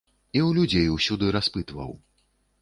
І ў людзей усюды распытваў.